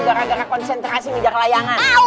gara gara konsentrasi ngejar layangan